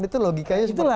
itu logikanya seperti apa